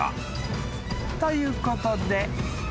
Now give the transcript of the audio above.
ということで］